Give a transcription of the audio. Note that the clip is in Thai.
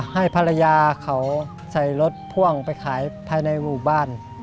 ให้ภรรยาเขาใส่รถพ่วงไปขายภายในหมู่บ้าน